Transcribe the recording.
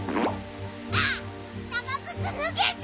あっながぐつぬげた！